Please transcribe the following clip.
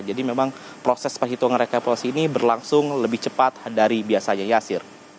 jadi memang proses perhitungan rekapitulasi ini berlangsung lebih cepat dari biasanya yasir